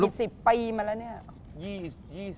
กี่๑๐ปีมาแล้วเนี่ย